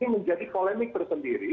ini menjadi polemik tersendiri